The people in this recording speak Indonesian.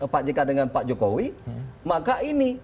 pak jk dengan pak jokowi